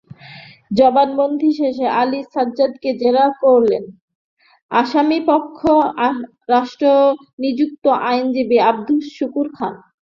জবানবন্দি শেষে আলী সাজ্জাদকে জেরা করেন আসামিপক্ষে রাষ্ট্রনিযুক্ত আইনজীবী আবদুস শুকুর খান।